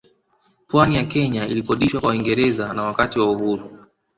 Pwani ya Kenya ilikodishwa kwa Waingereza na Wakati wa uhuru